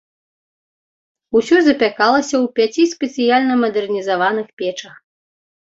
Усё запякалася ў пяці спецыяльна мадэрнізаваных печах.